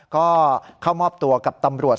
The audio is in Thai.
ก็เข้ามอบตัวกับตำรวจ